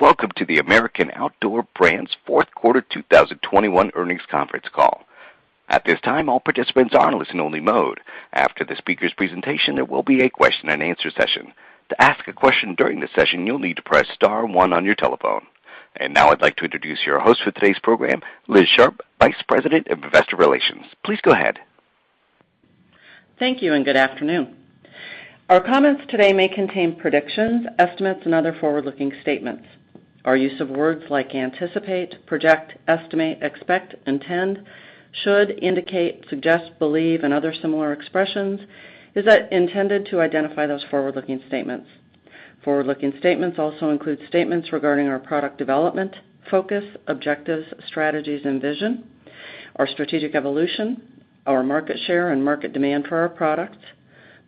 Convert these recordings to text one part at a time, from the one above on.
Welcome to the American Outdoor Brands 4th quarter 2021 earnings conference call. At this time all participants are only in listening mode after the speaker presentation there will be a question and answer section, to ask a question during the section you need to press star one on your telephone. Now I'd like to introduce your host for today's program, Liz Sharp, Vice President of Investor Relations. Please go ahead. Thank you, and good afternoon. Our comments today may contain predictions, estimates, and other forward-looking statements. Our use of words like anticipate, project, estimate, expect, intend, should, indicate, suggest, believe, and other similar expressions is intended to identify those forward-looking statements. Forward-looking statements also include statements regarding our product development, focus, objectives, strategies, and vision, our strategic evolution, our market share and market demand for our products,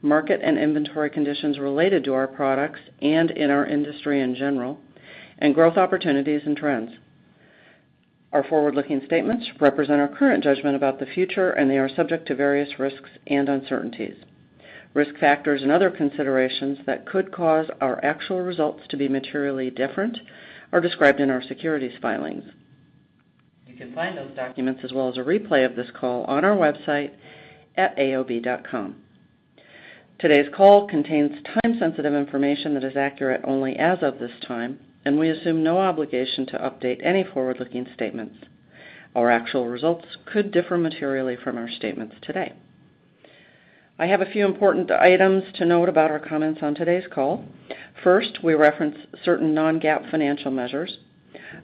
market and inventory conditions related to our products and in our industry in general, and growth opportunities and trends. Our forward-looking statements represent our current judgment about the future, and they are subject to various risks and uncertainties. Risk factors and other considerations that could cause our actual results to be materially different are described in our securities filings. You can find those documents as well as a replay of this call on our website at aob.com. Today's call contains time-sensitive information that is accurate only as of this time. We assume no obligation to update any forward-looking statements. Our actual results could differ materially from our statements today. I have a few important items to note about our comments on today's call. First, we reference certain non-GAAP financial measures.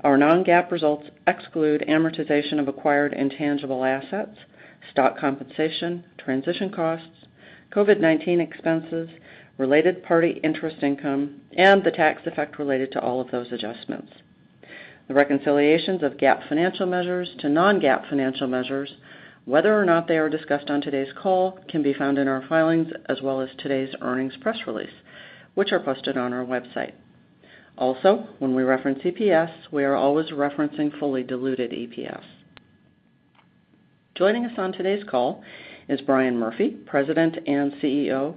Our non-GAAP results exclude amortization of acquired intangible assets, stock compensation, transition costs, COVID-19 expenses, related party interest income, and the tax effect related to all of those adjustments. The reconciliations of GAAP financial measures to non-GAAP financial measures, whether or not they are discussed on today's call, can be found in our filings as well as today's earnings press release, which are posted on our website. When we reference EPS, we are always referencing fully diluted EPS. Joining us on today's call is Brian Murphy, President and CEO,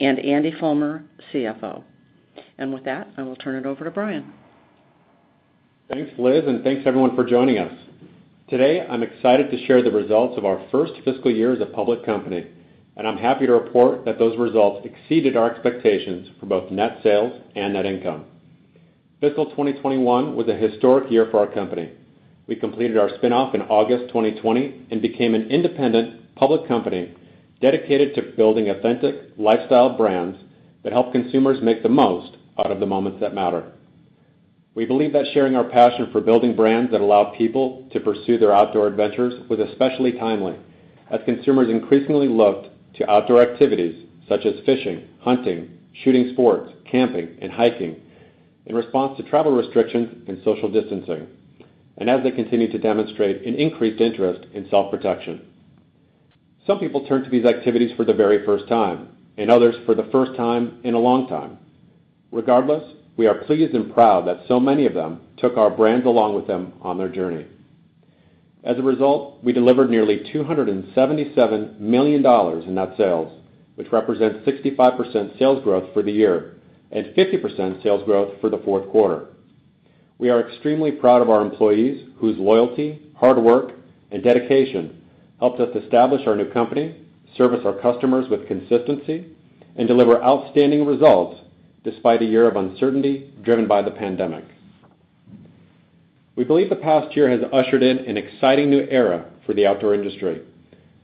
and Andy Fulmer, CFO. With that, I will turn it over to Brian. Thanks, Liz, and thanks everyone for joining us. Today, I'm excited to share the results of our first fiscal year as a public company, and I'm happy to report that those results exceeded our expectations for both net sales and net income. Fiscal 2021 was a historic year for our company. We completed our spinoff in August 2020 and became an independent public company dedicated to building authentic lifestyle brands that help consumers make the most out of the moments that matter. We believe that sharing our passion for building brands that allow people to pursue their outdoor adventures was especially timely as consumers increasingly looked to outdoor activities such as fishing, hunting, shooting sports, camping, and hiking in response to travel restrictions and social distancing, and as they continue to demonstrate an increased interest in self-protection. Some people turned to these activities for the very first time, and others for the first time in a long time. Regardless, we are pleased and proud that so many of them took our brands along with them on their journey. As a result, we delivered nearly $277 million in net sales, which represents 65% sales growth for the year and 50% sales growth for the fourth quarter. We are extremely proud of our employees, whose loyalty, hard work, and dedication helped us establish our new company, service our customers with consistency, and deliver outstanding results despite a year of uncertainty driven by the pandemic. We believe the past year has ushered in an exciting new era for the outdoor industry,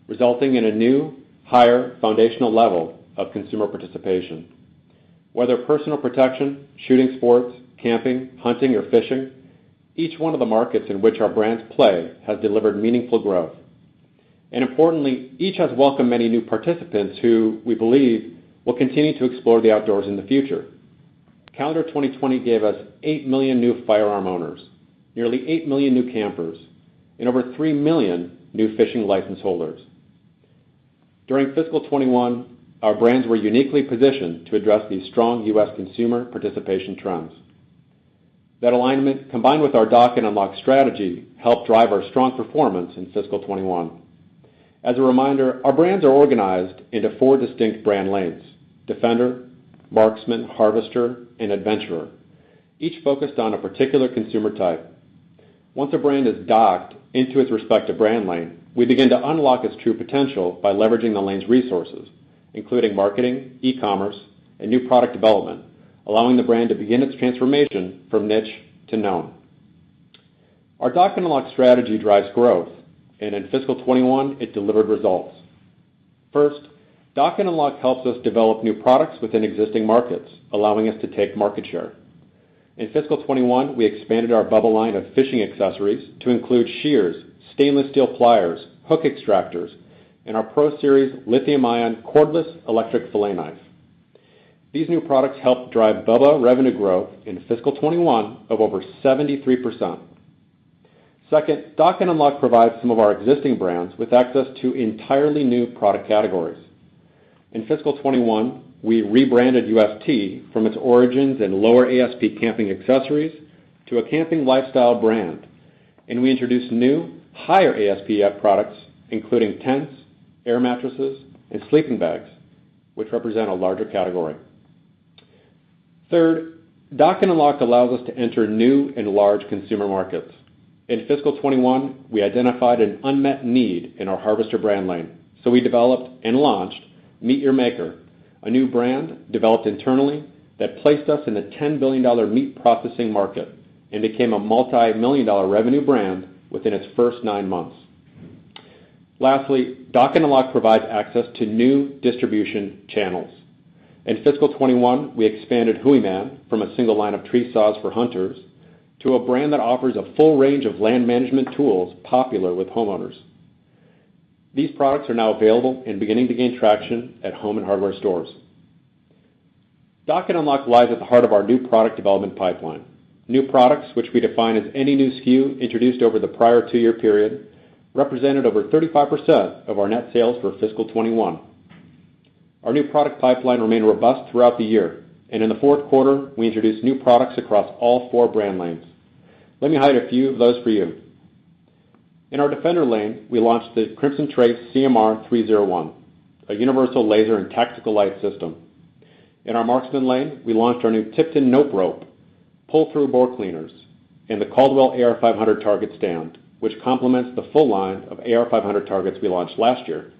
resulting in a new, higher foundational level of consumer participation. Whether personal protection, shooting sports, camping, hunting, or fishing, each one of the markets in which our brands play has delivered meaningful growth. Importantly, each has welcomed many new participants who, we believe, will continue to explore the outdoors in the future. Calendar 2020 gave us 8 million new firearm owners, nearly 8 million new campers, and over 3 million new fishing license holders. During FY 2021, our brands were uniquely positioned to address these strong U.S. consumer participation trends. That alignment, combined with our Dock & Unlock strategy, helped drive our strong performance in FY 2021. As a reminder, our brands are organized into four distinct brand lanes: Defender, Marksman, Harvester, and Adventurer, each focused on a particular consumer type. Once a brand is docked into its respective brand lane, we begin to unlock its true potential by leveraging the lane's resources, including marketing, e-commerce, and new product development, allowing the brand to begin its transformation from niche to known. Our Dock & Unlock strategy drives growth, and in fiscal 2021, it delivered results. First, Dock & Unlock helps us develop new products within existing markets, allowing us to take market share. In fiscal 2021, we expanded our BUBBA line of fishing accessories to include shears, stainless steel pliers, hook extractors, and our Pro Series lithium-ion cordless electric fillet knife. These new products helped drive BUBBA revenue growth in fiscal 2021 of over 73%. Second, Dock & Unlock provides some of our existing brands with access to entirely new product categories. In fiscal 2021, we rebranded UST from its origins in lower ASP camping accessories to a camping lifestyle brand, and we introduced new, higher ASP products, including tents, air mattresses, and sleeping bags, which represent a larger category. Third, Dock & Unlock allows us to enter new and large consumer markets. In fiscal 2021, we identified an unmet need in our Harvester brand lane, so we developed and launched MEAT! Your Maker, a new brand developed internally that placed us in the $10 billion meat processing market and became a multimillion-dollar revenue brand within its first nine months. Lastly, Dock & Unlock provides access to new distribution channels. In fiscal 2021, we expanded Hooyman from a single line of tree saws for hunters to a brand that offers a full range of land management tools popular with homeowners. These products are now available and beginning to gain traction at home and hardware stores. Dock & Unlock lies at the heart of our new product development pipeline. New products, which we define as any new SKU introduced over the prior two-year period, represented over 35% of our net sales for fiscal 2021. Our new product pipeline remained robust throughout the year, and in the fourth quarter, we introduced new products across all four brand lanes. Let me highlight a few of those for you. In our Defender lane, we launched the Crimson Trace CMR-301, a universal laser and tactical light system. In our Marksman lane, we launched our new Tipton Nope Rope, pull-through bore cleaners, and the Caldwell AR500 target stand, which complements the full line of AR500 targets we launched last year.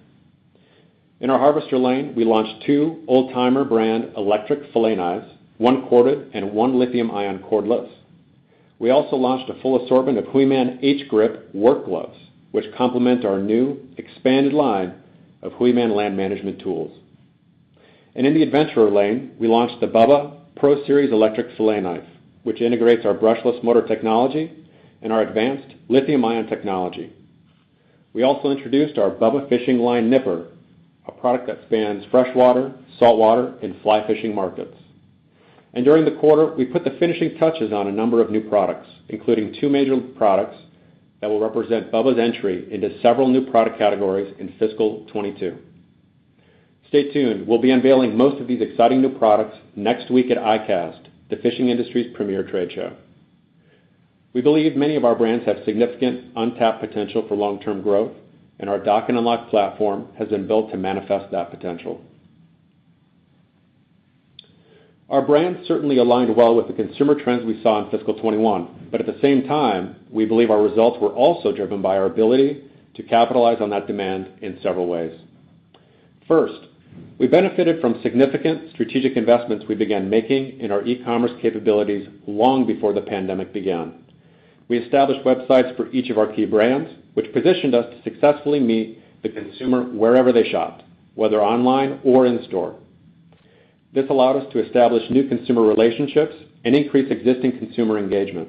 In our Harvester lane, we launched two Old Timer brand electric fillet knives, one corded and one lithium-ion cordless. We also launched a full assortment of Hooyman H-Grip work gloves, which complement our new expanded line of Hooyman land management tools. In the Adventurer lane, we launched the BUBBA Pro Series electric fillet knife, which integrates our brushless motor technology and our advanced lithium-ion technology. We also introduced our BUBBA fishing line nipper, a product that spans freshwater, saltwater, and fly fishing markets. During the quarter, we put the finishing touches on a number of new products, including two major products that will represent BUBBA's entry into several new product categories in fiscal 2022. Stay tuned. We'll be unveiling most of these exciting new products next week at ICAST, the fishing industry's premier trade show. We believe many of our brands have significant untapped potential for long-term growth, and our Dock & Unlock platform has been built to manifest that potential. Our brands certainly aligned well with the consumer trends we saw in fiscal 2021, but at the same time, we believe our results were also driven by our ability to capitalize on that demand in several ways. First, we benefited from significant strategic investments we began making in our e-commerce capabilities long before the pandemic began. We established websites for each of our key brands, which positioned us to successfully meet the consumer wherever they shopped, whether online or in-store. This allowed us to establish new consumer relationships and increase existing consumer engagement.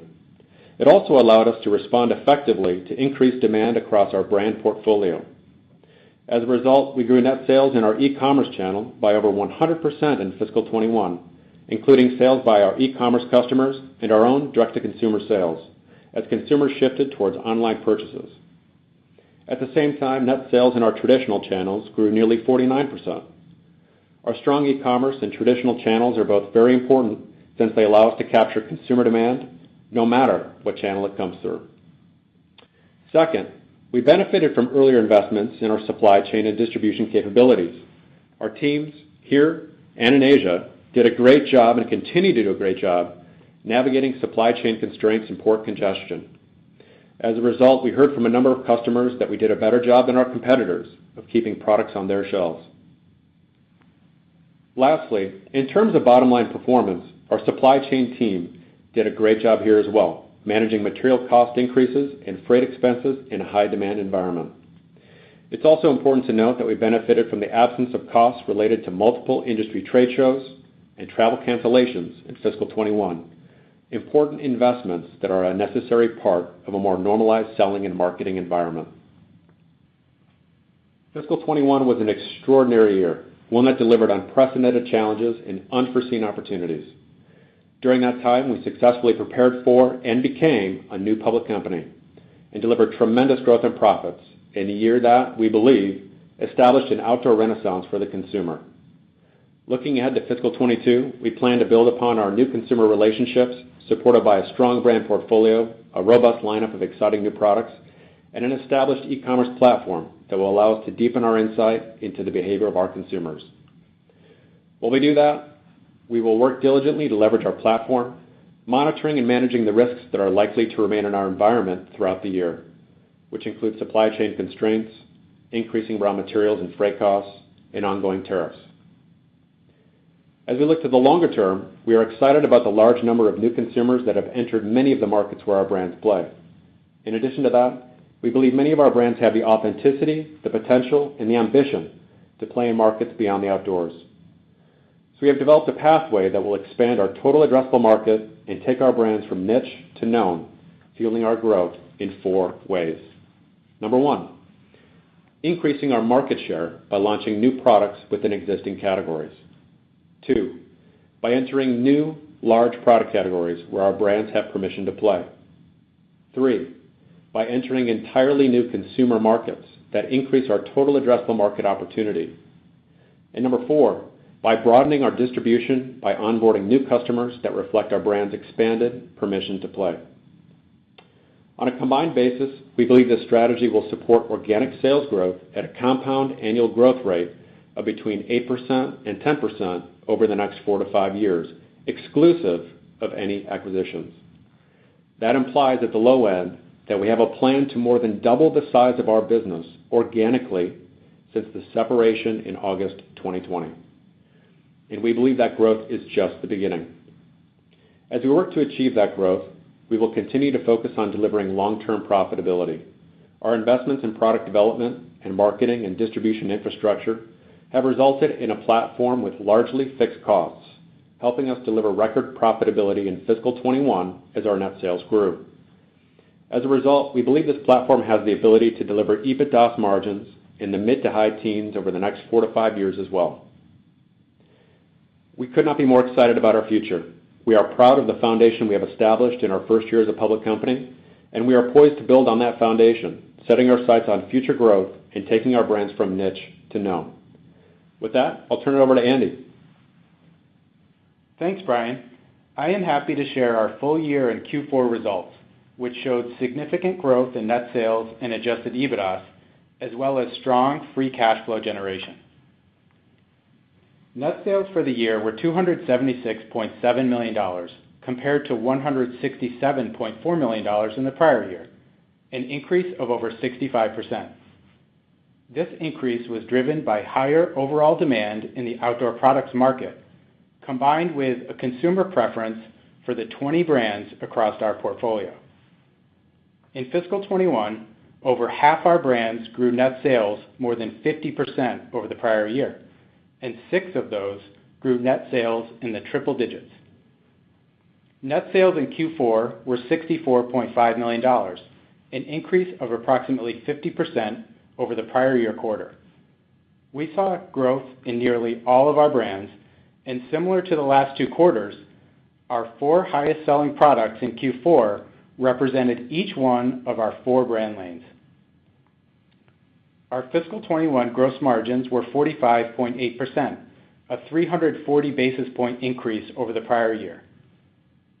It also allowed us to respond effectively to increased demand across our brand portfolio. As a result, we grew net sales in our e-commerce channel by over 100% in fiscal 2021, including sales by our e-commerce customers and our own direct-to-consumer sales as consumers shifted towards online purchases. At the same time, net sales in our traditional channels grew nearly 49%. Our strong e-commerce and traditional channels are both very important since they allow us to capture consumer demand, no matter what channel it comes through. Second, we benefited from earlier investments in our supply chain and distribution capabilities. Our teams here and in Asia did a great job and continue to do a great job navigating supply chain constraints and port congestion. As a result, we heard from a number of customers that we did a better job than our competitors of keeping products on their shelves. Lastly, in terms of bottom-line performance, our supply chain team did a great job here as well, managing material cost increases and freight expenses in a high-demand environment. It's also important to note that we benefited from the absence of costs related to multiple industry trade shows and travel cancellations in fiscal 2021, important investments that are a necessary part of a more normalized selling and marketing environment. Fiscal 2021 was an extraordinary year, one that delivered unprecedented challenges and unforeseen opportunities. During that time, we successfully prepared for and became a new public company and delivered tremendous growth and profits in a year that, we believe, established an outdoor renaissance for the consumer. Looking ahead to fiscal 2022, we plan to build upon our new consumer relationships, supported by a strong brand portfolio, a robust lineup of exciting new products, and an established e-commerce platform that will allow us to deepen our insight into the behavior of our consumers. While we do that, we will work diligently to leverage our platform, monitoring and managing the risks that are likely to remain in our environment throughout the year, which include supply chain constraints, increasing raw materials and freight costs, and ongoing tariffs. As we look to the longer term, we are excited about the large number of new consumers that have entered many of the markets where our brands play. In addition to that, we believe many of our brands have the authenticity, the potential, and the ambition to play in markets beyond the outdoors. We have developed a pathway that will expand our total addressable market and take our brands from niche to known, fueling our growth in four ways. Number one, increasing our market share by launching new products within existing categories. Two, by entering new large product categories where our brands have permission to play. three, by entering entirely new consumer markets that increase our total addressable market opportunity. Number four, by broadening our distribution by onboarding new customers that reflect our brands' expanded permission to play. On a combined basis, we believe this strategy will support organic sales growth at a compound annual growth rate of between 8% and 10% over the next four to five years, exclusive of any acquisitions. That implies at the low end that we have a plan to more than double the size of our business organically since the separation in August 2020. We believe that growth is just the beginning. As we work to achieve that growth, we will continue to focus on delivering long-term profitability. Our investments in product development and marketing and distribution infrastructure have resulted in a platform with largely fixed costs, helping us deliver record profitability in fiscal 2021 as our net sales grew. As a result, we believe this platform has the ability to deliver EBITDA margins in the mid to high teens over the next four to five years as well. We could not be more excited about our future. We are proud of the foundation we have established in our first year as a public company, and we are poised to build on that foundation, setting our sights on future growth and taking our brands from niche to known. With that, I'll turn it over to Andy. Thanks, Brian. I am happy to share our full year in Q4 results, which showed significant growth in net sales and adjusted EBITDA, as well as strong free cash flow generation. Net sales for the year were $276.7 million, compared to $167.4 million in the prior year, an increase of over 65%. This increase was driven by higher overall demand in the outdoor products market, combined with a consumer preference for the 20 brands across our portfolio. In fiscal 2021, over half our brands grew net sales more than 50% over the prior year, and six of those grew net sales in the triple digits. Net sales in Q4 were $64.5 million, an increase of approximately 50% over the prior year quarter. We saw growth in nearly all of our brands. Similar to the last two quarters, our four highest selling products in Q4 represented each one of our four brand lanes. Our fiscal 2021 gross margins were 45.8%, a 340 basis point increase over the prior year.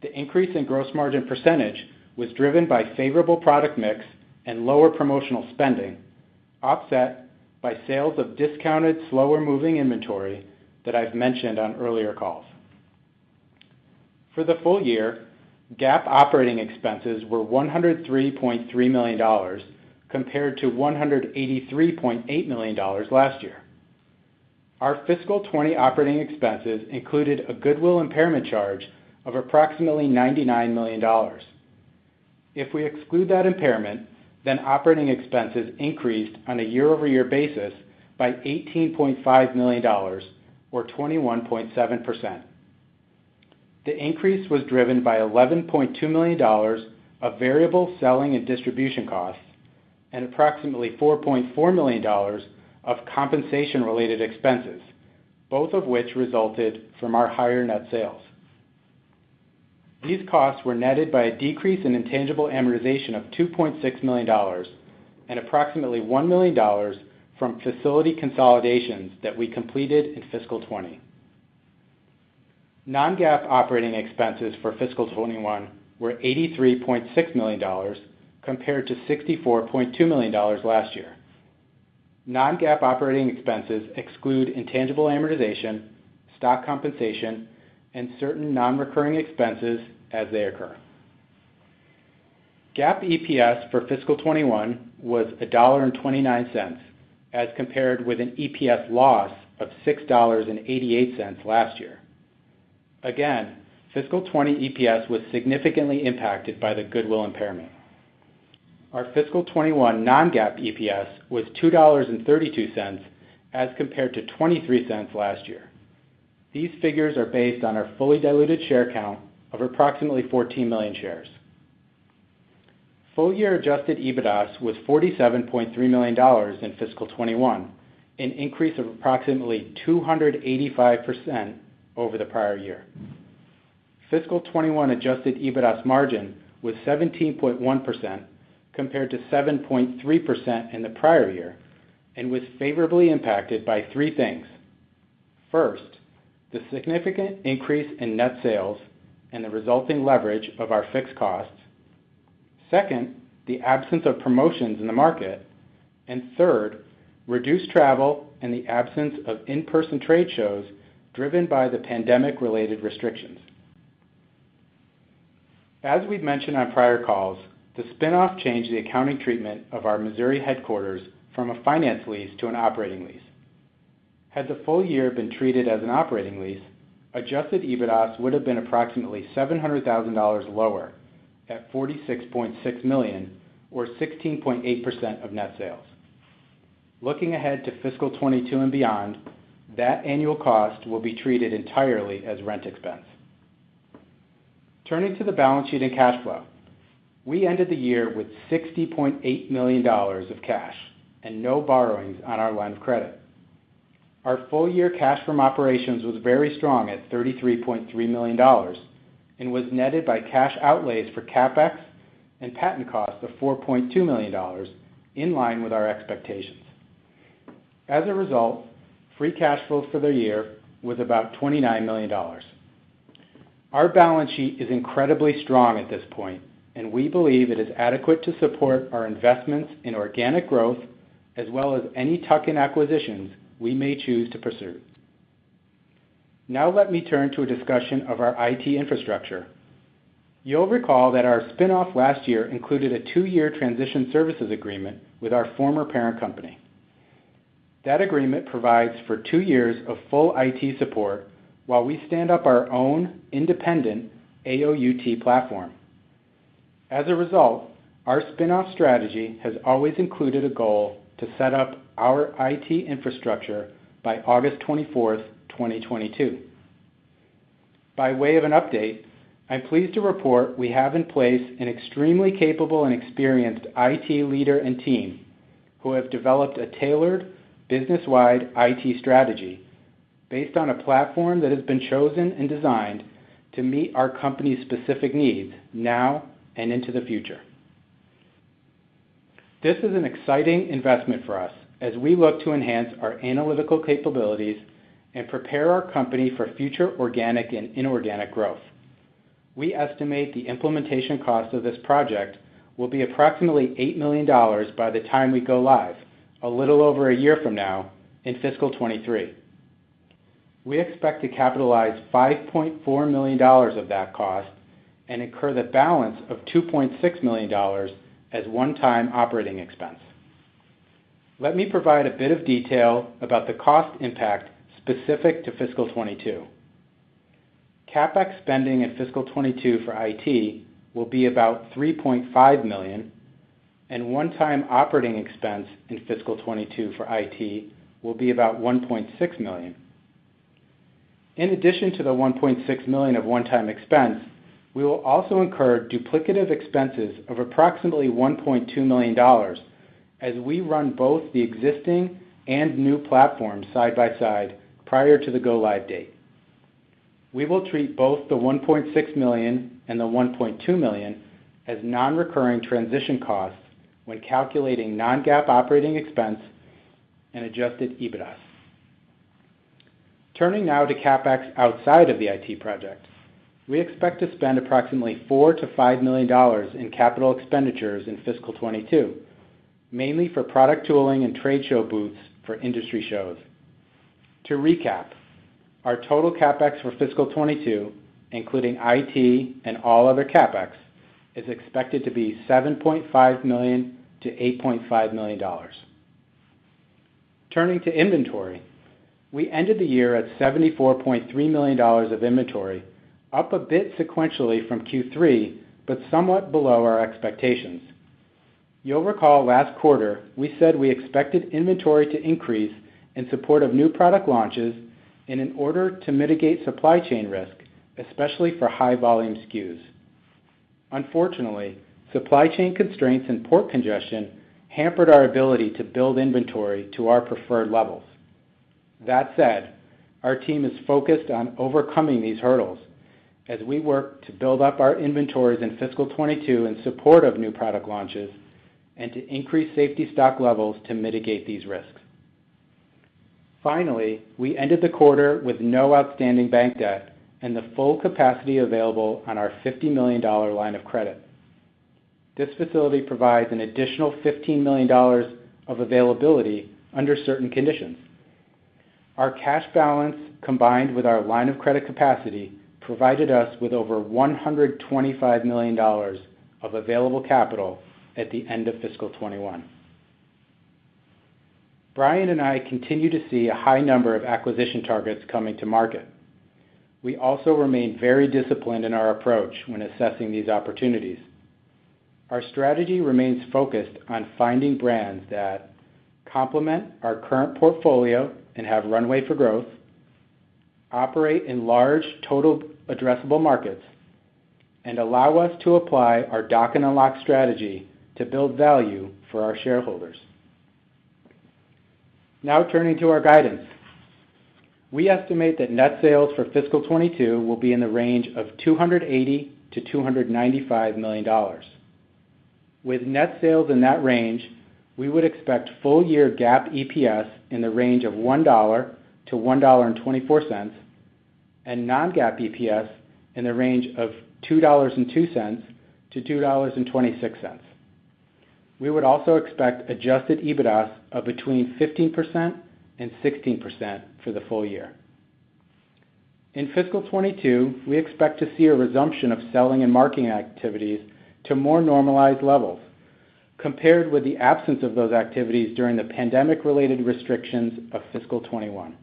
The increase in gross margin percentage was driven by favorable product mix and lower promotional spending, offset by sales of discounted, slower moving inventory that I've mentioned on earlier calls. For the full year, GAAP operating expenses were $103.3 million, compared to $183.8 million last year. Our fiscal 2020 operating expenses included a goodwill impairment charge of approximately $99 million. If we exclude that impairment, then operating expenses increased on a year-over-year basis by $18.5 million, or 21.7%. The increase was driven by $11.2 million of variable selling and distribution costs, and approximately $4.4 million of compensation related expenses, both of which resulted from our higher net sales. These costs were netted by a decrease in intangible amortization of $2.6 million, and approximately $1 million from facility consolidations that we completed in fiscal 2020. Non-GAAP operating expenses for fiscal 2021 were $83.6 million, compared to $64.2 million last year. Non-GAAP operating expenses exclude intangible amortization, stock compensation, and certain non-recurring expenses as they occur. GAAP EPS for fiscal 2021 was $1.29, as compared with an EPS loss of $6.88 last year. Fiscal 2020 EPS was significantly impacted by the goodwill impairment. Our fiscal 2021 non-GAAP EPS was $2.32 as compared to $0.23 last year. These figures are based on our fully diluted share count of approximately 14 million shares. Full year Adjusted EBITDA was $47.3 million in fiscal 2021, an increase of approximately 285% over the prior year. Fiscal 2021 Adjusted EBITDA margin was 17.1%, compared to 7.3% in the prior year, and was favorably impacted by three things. First, the significant increase in net sales and the resulting leverage of our fixed costs. Second, the absence of promotions in the market. Third, reduced travel and the absence of in-person trade shows driven by the pandemic related restrictions. As we've mentioned on prior calls, the spin-off changed the accounting treatment of our Missouri headquarters from a finance lease to an operating lease. Had the full year been treated as an operating lease, Adjusted EBITDA would have been approximately $700,000 lower at $46.6 million, or 16.8% of net sales. Looking ahead to fiscal 2022 and beyond, that annual cost will be treated entirely as rent expense. Turning to the balance sheet and cash flow. We ended the year with $60.8 million of cash and no borrowings on our line of credit. Our full year cash from operations was very strong at $33.3 million and was netted by cash outlays for CapEx and patent costs of $4.2 million, in line with our expectations. As a result, free cash flow for the year was about $29 million. Our balance sheet is incredibly strong at this point, and we believe it is adequate to support our investments in organic growth as well as any tuck-in acquisitions we may choose to pursue. Let me turn to a discussion of our IT infrastructure. You'll recall that our spinoff last year included a two year transition services agreement with our former parent company. That agreement provides for two years of full IT support while we stand up our own independent AOUT platform. As a result, our spinoff strategy has always included a goal to set up our IT infrastructure by August 24th, 2022. By way of an update, I'm pleased to report we have in place an extremely capable and experienced IT leader and team who have developed a tailored business-wide IT strategy based on a platform that has been chosen and designed to meet our company's specific needs now and into the future. This is an exciting investment for us as we look to enhance our analytical capabilities and prepare our company for future organic and inorganic growth. We estimate the implementation cost of this project will be approximately $8 million by the time we go live, a little over a year from now in fiscal 2023. We expect to capitalize $5.4 million of that cost and incur the balance of $2.6 million as one-time operating expense. Let me provide a bit of detail about the cost impact specific to fiscal 2022. CapEx spending in fiscal 2022 for IT will be about $3.5 million, and one-time operating expense in fiscal 2022 for IT will be about $1.6 million. In addition to the $1.6 million of one-time expense, we will also incur duplicative expenses of approximately $1.2 million as we run both the existing and new platforms side by side prior to the go-live date. We will treat both the $1.6 million and the $1.2 million as non-recurring transition costs when calculating non-GAAP operating expense and adjusted EBITDA. Turning now to CapEx outside of the IT project. We expect to spend approximately $4 million-$5 million in capital expenditures in fiscal 2022, mainly for product tooling and trade show booths for industry shows. To recap, our total CapEx for fiscal 2022, including IT and all other CapEx, is expected to be $7.5 million-$8.5 million. Turning to inventory, we ended the year at $74.3 million of inventory, up a bit sequentially from Q3, but somewhat below our expectations. You'll recall last quarter we said we expected inventory to increase in support of new product launches and in order to mitigate supply chain risk, especially for high-volume SKUs. Unfortunately, supply chain constraints and port congestion hampered our ability to build inventory to our preferred levels. That said, our team is focused on overcoming these hurdles as we work to build up our inventories in fiscal 2022 in support of new product launches and to increase safety stock levels to mitigate these risks. We ended the quarter with no outstanding bank debt and the full capacity available on our $50 million line of credit. This facility provides an additional $15 million of availability under certain conditions. Our cash balance, combined with our line of credit capacity, provided us with over $125 million of available capital at the end of fiscal 2021. Brian and I continue to see a high number of acquisition targets coming to market. We also remain very disciplined in our approach when assessing these opportunities. Our strategy remains focused on finding brands that complement our current portfolio and have runway for growth, operate in large total addressable markets, and allow us to apply our Dock & Unlock strategy to build value for our shareholders. Turning to our guidance. We estimate that net sales for fiscal 2022 will be in the range of $280 million-$295 million. With net sales in that range, we would expect full year GAAP EPS in the range of $1-$1.24, and non-GAAP EPS in the range of $2.02-$2.26. We would also expect adjusted EBITDA of between 15% and 16% for the full year. In fiscal 2022, we expect to see a resumption of selling and marketing activities to more normalized levels compared with the absence of those activities during the pandemic-related restrictions of fiscal 2021.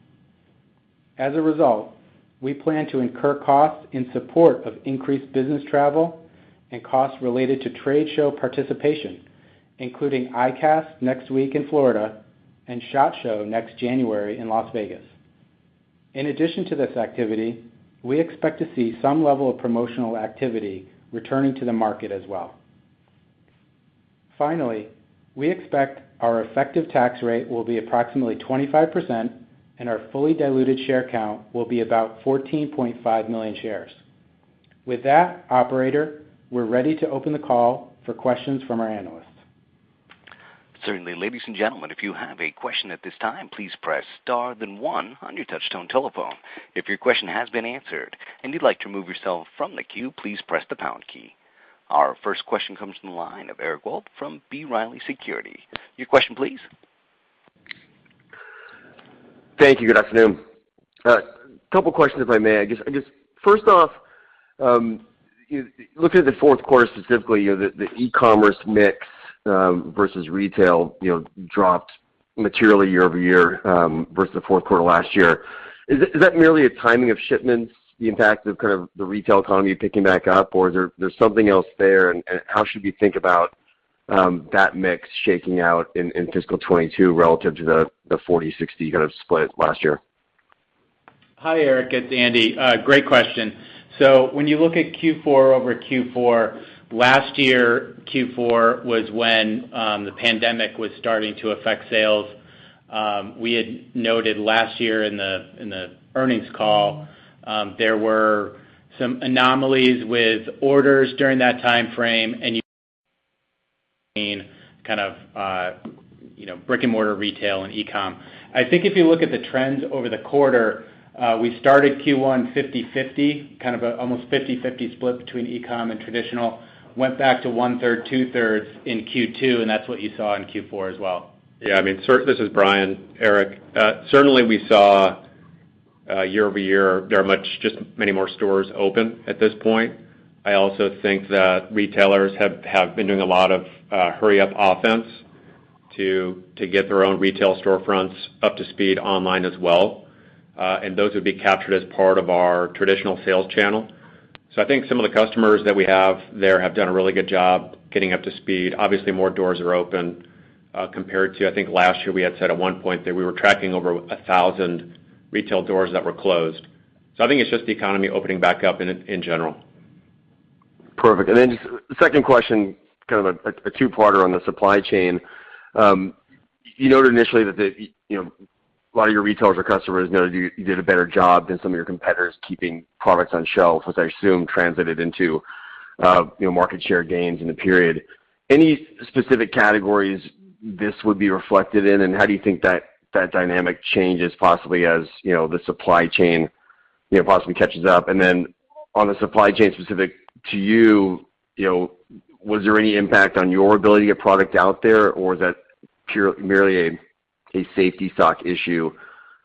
As a result, we plan to incur costs in support of increased business travel and costs related to trade show participation, including ICAST next week in Florida and SHOT Show next January in Las Vegas. In addition to this activity, we expect to see some level of promotional activity returning to the market as well. We expect our effective tax rate will be approximately 25% and our fully diluted share count will be about 14.5 million shares. With that, operator, we're ready to open the call for questions from our analysts. Certainly, ladies and gentlemen if you have a question at this time please press star then one on your touch tone telephone, if your question has been answered and you like to remove yourself from the queue please press the pound key. Our first question comes from the line of Eric Wold from B. Riley Securities. Your question, please. Thank you. Good afternoon. A couple questions, if I may. I guess, first off, looking at the fourth quarter specifically, the e-commerce mix versus retail dropped materially year-over-year versus the fourth quarter last year. Is that merely a timing of shipments, the impact of the retail economy picking back up, or is there something else there, and how should we think about that mix shaking out in FY 2022 relative to the 40/60 kind of split last year? Hi, Eric. It's Andy. Great question. When you look at Q4 over Q4, last year Q4 was when the pandemic was starting to affect sales. We had noted last year in the earnings call, there were some anomalies with orders during that timeframe, and you kind of brick and mortar retail and e-com. I think if you look at the trends over the quarter, we started Q1 50/50, kind of almost 50/50 split between e-com and traditional. Went back to 1/3, 2/3 in Q2, and that's what you saw in Q4 as well. Yeah, this is Brian. Eric, certainly we saw year-over-year there are many more stores open at this point. I also think that retailers have been doing a lot of hurry up offense to get their own retail storefronts up to speed online as well. Those would be captured as part of our traditional sales channel. I think some of the customers that we have there have done a really good job getting up to speed. Obviously, more doors are open compared to, I think, last year we had said at one point that we were tracking over 1,000 retail doors that were closed. I think it's just the economy opening back up in general. Perfect. Just the second question, kind of a two parter on the supply chain. You noted initially that a lot of your retailers or customers noted you did a better job than some of your competitors keeping products on shelves, which I assume translated into market share gains in the period. Any specific categories this would be reflected in, and how do you think that dynamic changes possibly as the supply chain possibly catches up? On the supply chain specific to you, was there any impact on your ability to get product out there, or was that merely a safety stock issue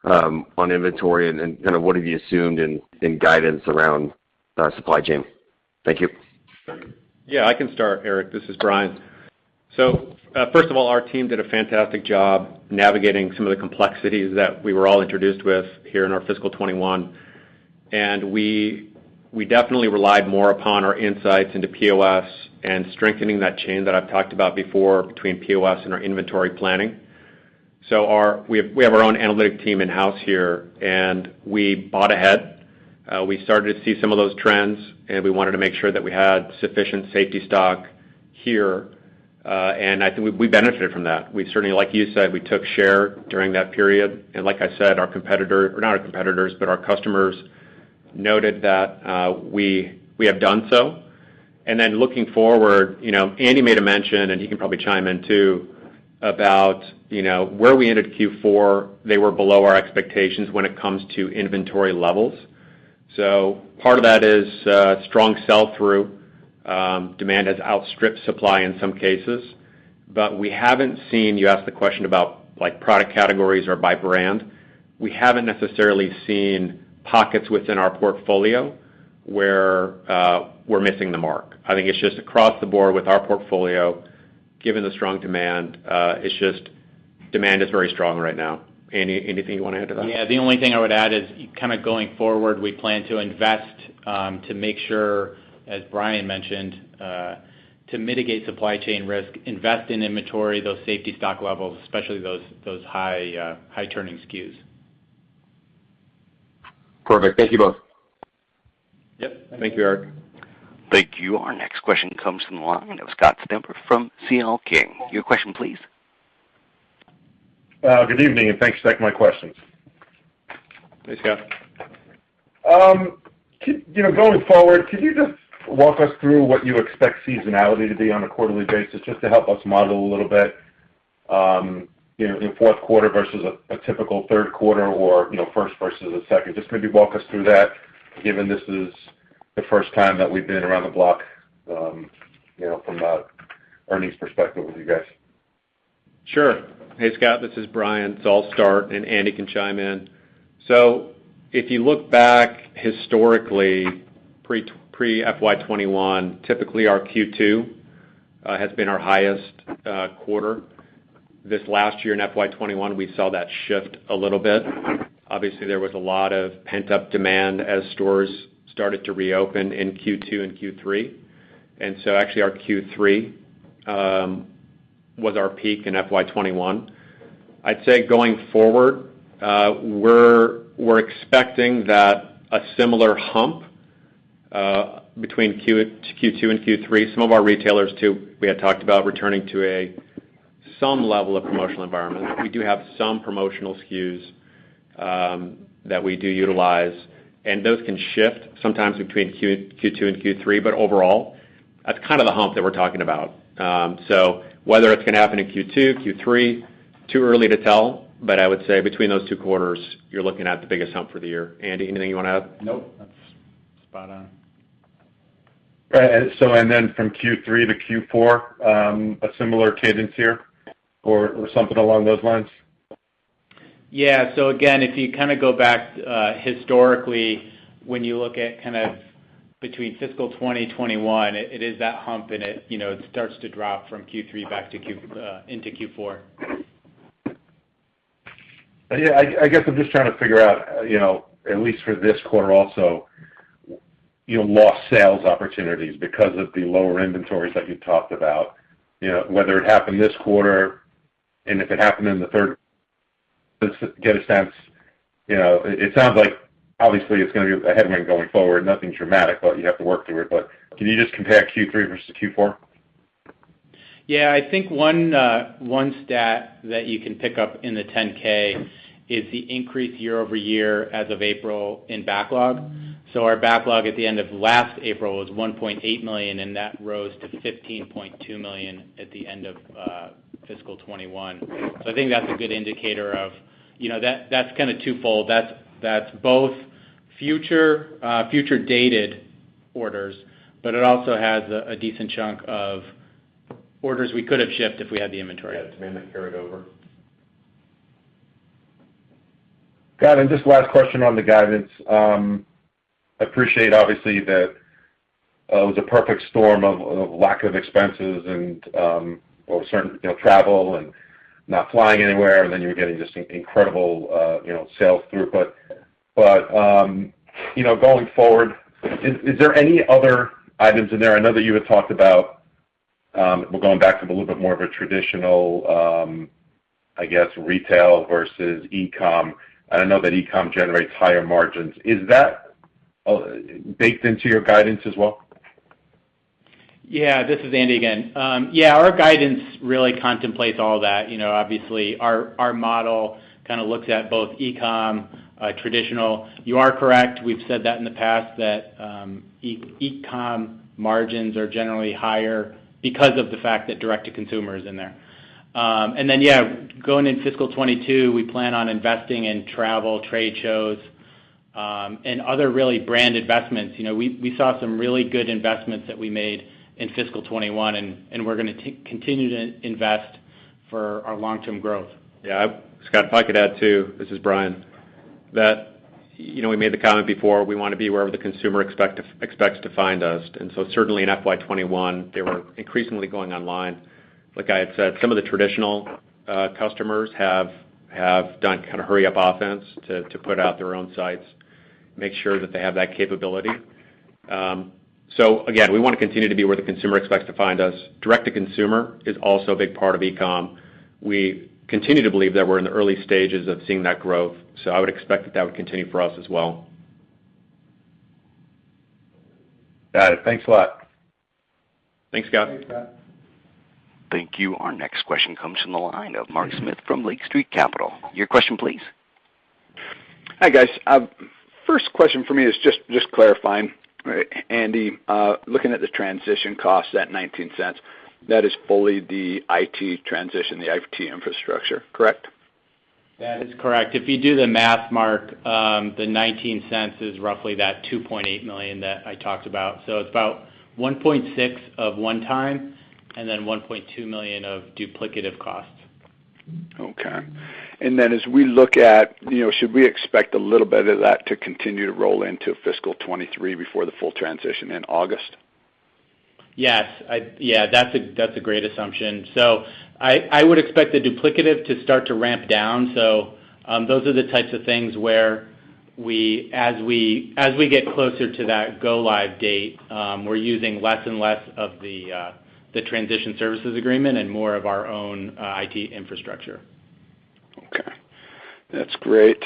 on inventory, and kind of what have you assumed in guidance around supply chain? Thank you. Yeah. I can start, Eric. This is Brian. First of all, our team did a fantastic job navigating some of the complexities that we were all introduced with here in our fiscal 2021, we definitely relied more upon our insights into POS and strengthening that chain that I've talked about before between POS and our inventory planning. We have our own analytic team in-house here, we bought ahead. We started to see some of those trends, we wanted to make sure that we had sufficient safety stock here. I think we benefited from that. We certainly, like you said, we took share during that period, like I said, our customers noted that we have done so. Looking forward, Andy made a mention, and he can probably chime in, too, about where we ended Q4, they were below our expectations when it comes to inventory levels. Part of that is strong sell-through. Demand has outstripped supply in some cases. We haven't seen You asked the question about product categories or by brand. We haven't necessarily seen pockets within our portfolio where we're missing the mark. I think it's just across the board with our portfolio, given the strong demand. It's just demand is very strong right now. Andy, anything you want to add to that? Yeah. The only thing I would add is going forward, we plan to invest to make sure, as Brian mentioned, to mitigate supply chain risk, invest in inventory, those safety stock levels, especially those high turning SKUs. Perfect. Thank you both. Yep. Thank you, Eric. Thank you. Our next question comes from the line of Scott Stember from C.L. King. Your question, please. Good evening, and thanks for taking my questions. Hey, Scott. Going forward, could you just walk us through what you expect seasonality to be on a quarterly basis, just to help us model a little bit, in fourth quarter versus a typical third quarter or first versus a second? Just maybe walk us through that, given this is the first time that we've been around the block from an earnings perspective with you guys? Sure. Hey, Scott Stember. This is Brian Murphy. I'll start, and Andy Fulmer can chime in. If you look back historically, pre-FY 2021, typically our Q2 has been our highest quarter. This last year in FY 2021, we saw that shift a little bit. Obviously, there was a lot of pent-up demand as stores started to reopen in Q2 and Q3, actually our Q3 was our peak in FY 2021. I'd say going forward, we're expecting that a similar hump between Q2 and Q3. Some of our retailers, too, we had talked about returning to some level of promotional environment. We do have some promotional SKUs that we do utilize, and those can shift sometimes between Q2 and Q3, overall, that's kind of the hump that we're talking about. Whether it's going to happen in Q2, Q3, too early to tell, but I would say between those two quarters, you're looking at the biggest hump for the year. Andy, anything you want to add? Nope, that's spot on. Right. Then from Q3 to Q4, a similar cadence here, or something along those lines? Yeah. Again, if you go back historically, when you look at kind of between fiscal 2021, it is that hump and it starts to drop from Q3 back into Q4. Yeah, I guess I'm just trying to figure out, at least for this quarter also, lost sales opportunities because of the lower inventories that you talked about, whether it happened this quarter and if it happened in the third, just to get a sense. It sounds like obviously it's going to be a headwind going forward, nothing dramatic, but you have to work through it. Can you just compare Q3 versus Q4? Yeah, I think one stat that you can pick up in the 10K is the increase year-over-year as of April in backlog. Our backlog at the end of last April was $1.8 million, and that rose to $15.2 million at the end of fiscal 2021. I think that's a good indicator. That's kind of twofold. That's both future dated orders, but it also has a decent chunk of orders we could have shipped if we had the inventory. Yeah, demand that carried over. Got it. Just last question on the guidance. I appreciate, obviously, that it was a perfect storm of lack of expenses and, or certain travel and not flying anywhere, and then you're getting just incredible sales through. Going forward, is there any other items in there? I know that you had talked about, we're going back to a little bit more of a traditional, I guess, retail versus e-com. I know that e-com generates higher margins. Is that baked into your guidance as well? Yeah. This is Andy Fulmer again. Yeah, our guidance really contemplates all that. Obviously, our model kind of looks at both e-com, traditional. You are correct, we've said that in the past, that e-com margins are generally higher because of the fact that direct-to-consumer is in there. Yeah, going in fiscal 2022, we plan on investing in travel, trade shows, and other really brand investments. We saw some really good investments that we made in fiscal 2021, and we're going to continue to invest for our long-term growth. Scott, if I could add, too, this is Brian, that we made the comment before, we want to be wherever the consumer expects to find us. Certainly in FY 2021, they were increasingly going online. Like I had said, some of the traditional customers have done kind of hurry up offense to put out their own sites, make sure that they have that capability. Again, we want to continue to be where the consumer expects to find us. Direct-to-consumer is also a big part of e-com. We continue to believe that we're in the early stages of seeing that growth, so I would expect that that would continue for us as well. Got it. Thanks a lot. Thanks, Scott. Thanks, Scott. Thank you. Our next question comes from the line of Mark Smith from Lake Street Capital. Your question, please. Hi, guys. First question for me is just clarifying. Andy, looking at the transition cost, that $0.19, that is fully the IT transition, the IT infrastructure, correct? That is correct. If you do the math, Mark, the $0.19 is roughly that $2.8 million that I talked about. It's about $1.6 of 1 time and then $1.2 million of duplicative costs. Okay. As we look at, should we expect a little bit of that to continue to roll into fiscal 2023 before the full transition in August? Yes. That's a great assumption. I would expect the duplicative to start to ramp down. Those are the types of things where as we get closer to that go live date, we're using less and less of the transition services agreement and more of our own IT infrastructure. Okay. That's great.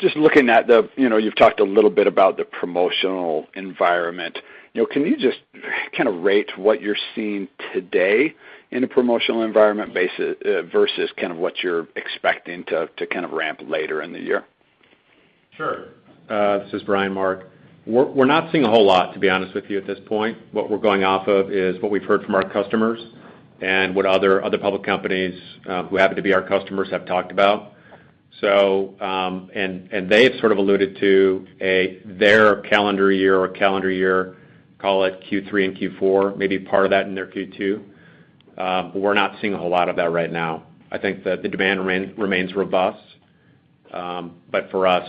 Just looking at the, you've talked a little bit about the promotional environment. Can you just kind of rate what you're seeing today in the promotional environment versus what you're expecting to kind of ramp later in the year? Sure. This is Brian, Mark. We're not seeing a whole lot, to be honest with you, at this point. What we're going off of is what we've heard from our customers and what other public companies who happen to be our customers have talked about. They have sort of alluded to their calendar year, or calendar year, call it Q3 and Q4, maybe part of that in their Q2. We're not seeing a whole lot of that right now. I think that the demand remains robust. For us,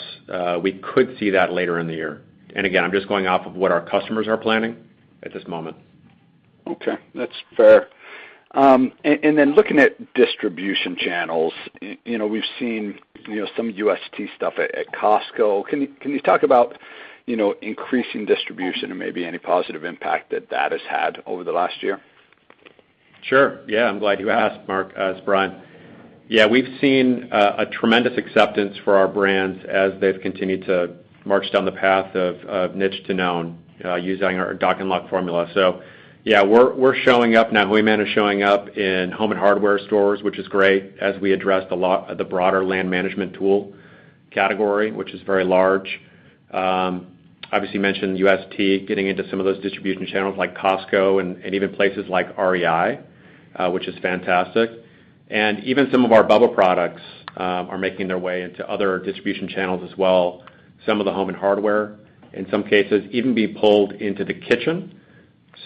we could see that later in the year. Again, I'm just going off of what our customers are planning at this moment. Okay. That's fair. Looking at distribution channels, we've seen some UST stuff at Costco. Can you talk about increasing distribution and maybe any positive impact that that has had over the last year? Sure. Yeah, I'm glad you asked, Mark. It's Brian. Yeah, we've seen a tremendous acceptance for our brands as they've continued to march down the path of niche to known using our Dock & Unlock formula. Yeah, we're showing up now. Hooyman is showing up in home and hardware stores, which is great as we address the broader land management tool category, which is very large. Obviously, mentioned UST getting into some of those distribution channels like Costco and even places like REI, which is fantastic. Even some of our BUBBA products are making their way into other distribution channels as well, some of the home and hardware. In some cases, even being pulled into the kitchen.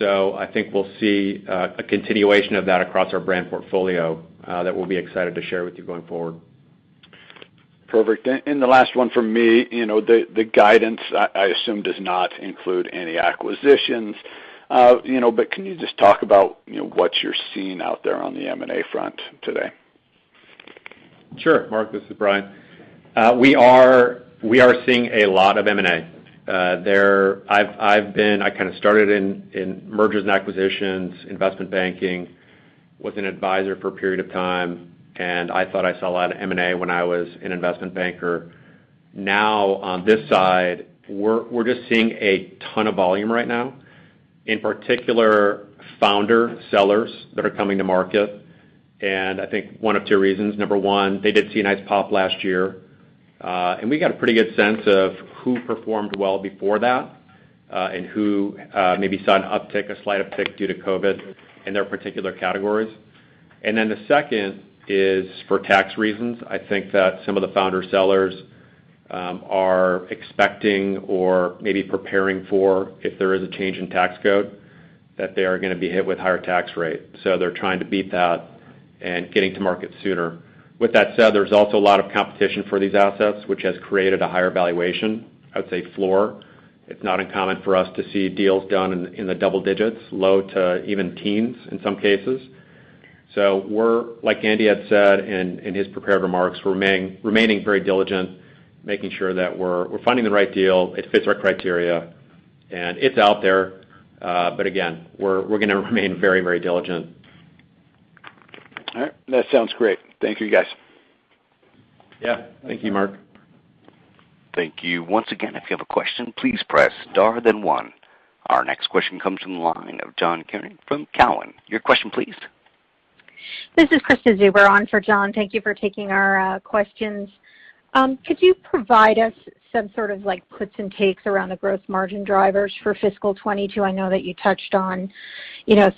I think we'll see a continuation of that across our brand portfolio that we'll be excited to share with you going forward. Perfect. The last one from me. The guidance, I assume does not include any acquisitions. Can you just talk about what you're seeing out there on the M&A front today? Sure, Mark. This is Brian. We are seeing a lot of M&A. I started in mergers and acquisitions, investment banking, was an advisor for a period of time, I thought I saw a lot of M&A when I was an investment banker. Now, on this side, we're just seeing a ton of volume right now. In particular, founder sellers that are coming to market. I think one of two reasons. Number one, they did see a nice pop last year. We got a pretty good sense of who performed well before that, and who maybe saw an uptick, a slight uptick due to COVID in their particular categories. The second is for tax reasons. I think that some of the founder sellers are expecting or maybe preparing for, if there is a change in tax code, that they are going to be hit with higher tax rate. They're trying to beat that and getting to market sooner. With that said, there's also a lot of competition for these assets, which has created a higher valuation, I would say floor. It's not uncommon for us to see deals done in the double digits low to even teens in some cases. We're, like Andy had said in his prepared remarks, remaining very diligent, making sure that we're finding the right deal, it fits our criteria, and it's out there. Again, we're going to remain very diligent. All right. That sounds great. Thank you, guys. Yeah. Thank you, Mark. Thank you. Once again, if you have a question, please press star then one. Our next question comes from the line of John Kernan from Cowen. Your question, please. This is Krista Zuber on for John. Thank you for taking our questions. Could you provide us some sort of like puts and takes around the gross margin drivers for fiscal 2022? I know that you touched on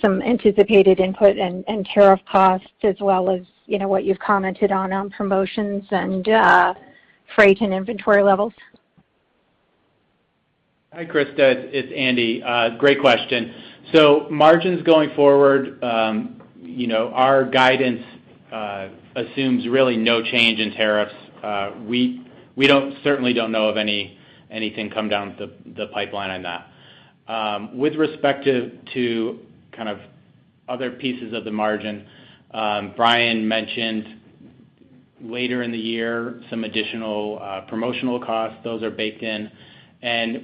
some anticipated input and tariff costs as well as what you've commented on promotions and freight and inventory levels. Hi, Krista. It's Andy. Great question. Margins going forward, our guidance assumes really no change in tariffs. We certainly don't know of anything come down the pipeline on that. With respect to kind of other pieces of the margin, Brian mentioned later in the year some additional promotional costs. Those are baked in.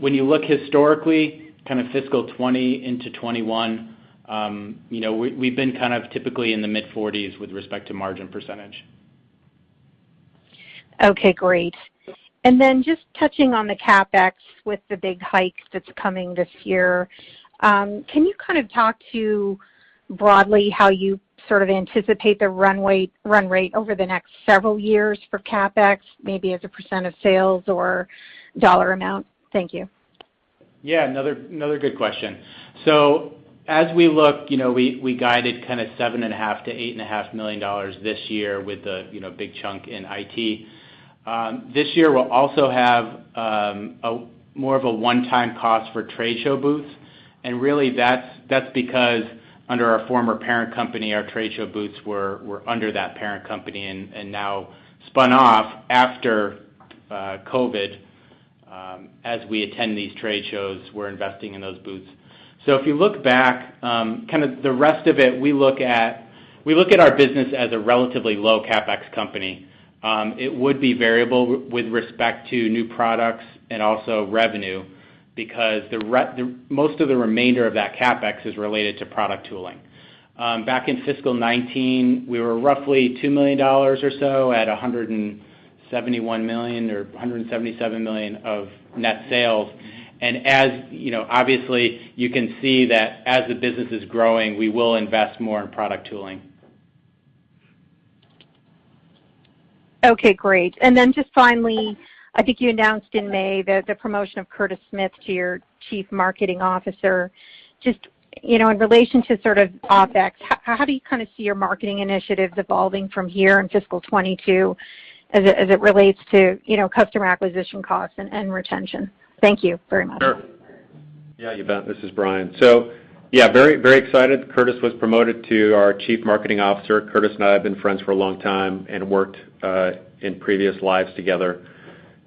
When you look historically, kind of fiscal 2020 into 2021, we've been kind of typically in the mid-40s with respect to margin percentage. Okay, great. Just touching on the CapEx with the big hike that's coming this year. Can you kind of talk to broadly how you sort of anticipate the run rate over the next several years for CapEx, maybe as a % of sales or dollar amount? Thank you. Yeah, another good question. As we look, we guided kind of $7.5 million-$8.5 million this year with a big chunk in IT. This year, we'll also have more of a one-time cost for trade show booths, and really that's because under our former parent company, our trade show booths were under that parent company and now spun off after COVID. As we attend these trade shows, we're investing in those booths. If you look back, kind of the rest of it, we look at our business as a relatively low CapEx company. It would be variable with respect to new products and also revenue because most of the remainder of that CapEx is related to product tooling. Back in fiscal 2019, we were roughly $2 million or so at $171 million or $177 million of net sales. Obviously, you can see that as the business is growing, we will invest more in product tooling. Okay, great. Just finally, I think you announced in May the promotion of Curtis Smith to your Chief Marketing Officer. Just in relation to sort of OpEx, how do you kind of see your marketing initiatives evolving from here in fiscal 2022 as it relates to customer acquisition costs and retention? Thank you very much. Sure. Yeah, you bet. This is Brian. Yeah, very excited. Curtis was promoted to our Chief Marketing Officer. Curtis and I have been friends for a long time and worked in previous lives together.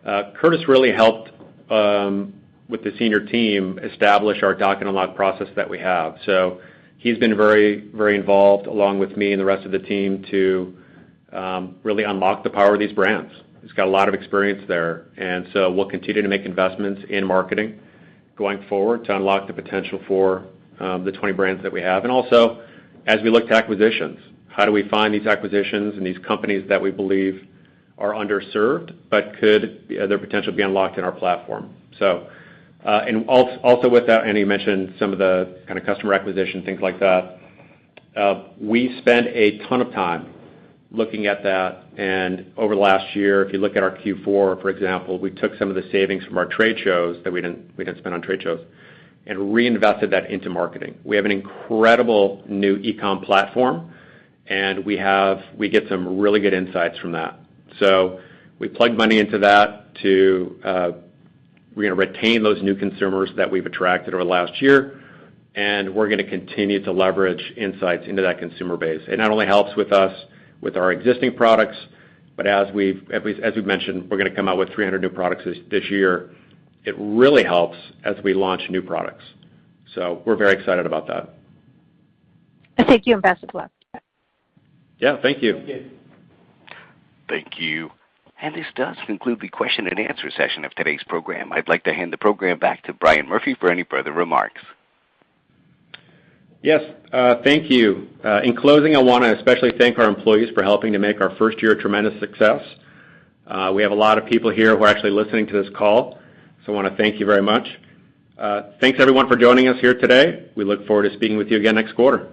Curtis really helped with the senior team establish our Dock & Unlock process that we have. He's been very involved along with me and the rest of the team to really unlock the power of these brands. He's got a lot of experience there. We'll continue to make investments in marketing going forward to unlock the potential for the 20 brands that we have. Also as we look to acquisitions, how do we find these acquisitions and these companies that we believe are underserved, but could their potential be unlocked in our platform? Also with that, Andy mentioned some of the kind of customer acquisition, things like that. We spent a ton of time looking at that, and over the last one year, if you look at our Q4, for example, we took some of the savings from our trade shows that we didn't spend on trade shows and reinvested that into marketing. We have an incredible new e-com platform, and we get some really good insights from that. We plugged money into that to retain those new consumers that we've attracted over the last one year, and we're going to continue to leverage insights into that consumer base. It not only helps with us with our existing products, but as we've mentioned, we're going to come out with 300 new products this year. It really helps as we launch new products. We're very excited about that. Thank you. Best of luck. Yeah. Thank you. Thank you. Thank you. This does conclude the question and answer session of today's program. I'd like to hand the program back to Brian Murphy for any further remarks. Yes, thank you. In closing, I want to especially thank our employees for helping to make our first year a tremendous success. We have a lot of people here who are actually listening to this call, so I want to thank you very much. Thanks everyone for joining us here today. We look forward to speaking with you again next quarter.